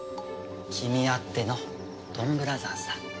君あってのドンブラザーズだ。